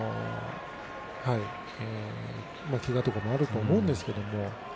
けがとかもあると思うんですけれど。